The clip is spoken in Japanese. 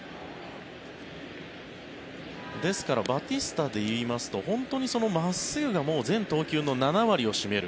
ですからバティスタでいいますと本当に真っすぐが全投球の７割を占める。